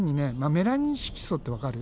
メラニン色素ってわかる？